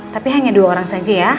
tapi hanya dua orang saja ya